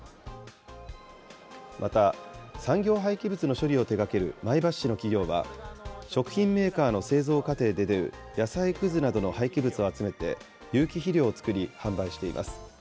また、産業廃棄物の処理を手がける前橋市の企業は、食品メーカーの製造過程で出る野菜くずなどの廃棄物を集めて、有機肥料を作り販売しています。